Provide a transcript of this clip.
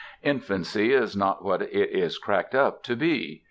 Infancy is not what it is cracked up to be.